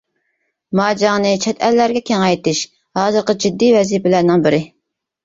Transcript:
ماجاڭنى چەت ئەللەرگە كېڭەيتىش ھازىرقى جىددىي ۋەزىپىلەرنىڭ بىرى.